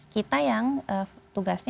kita yang tugasnya